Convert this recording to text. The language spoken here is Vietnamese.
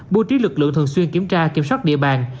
bố trí lực lượng thường xuyên kiểm tra kiểm soát địa bàn